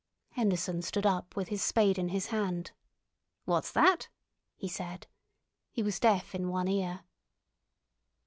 Henderson stood up with his spade in his hand. "What's that?" he said. He was deaf in one ear.